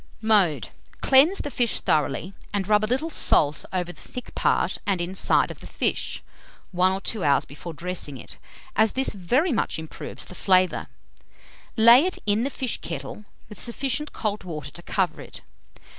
Mode. Cleanse the fish thoroughly, and rub a little salt over the thick part and inside of the fish, 1 or 2 hours before dressing it, as this very much improves the flavour. Lay it in the fish kettle, with sufficient cold water to cover it.